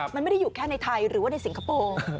มันไม่ได้อยู่แค่ในไทยหรือว่าในสิงคโปร์